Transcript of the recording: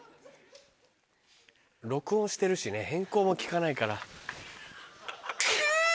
録音してるしね変更も利かないから。